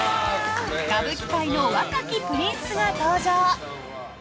歌舞伎界の若きプリンスが登場。